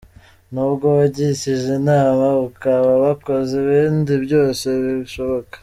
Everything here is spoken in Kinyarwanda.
Nubwo wagishije inama ukaba wakoze n’ibindi byose bishoboka.